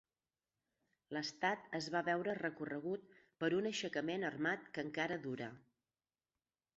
L'estat es va veure recorregut per un aixecament armat que encara dura.